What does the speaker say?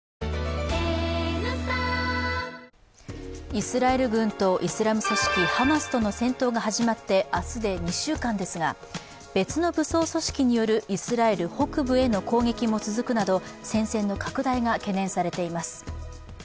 イスラエル軍とイスラム組織ハマスとの戦闘が始まって明日で２週間ですが別の武装組織によるイスラエル北部への攻撃も続くなど戦線の拡大が懸念されています。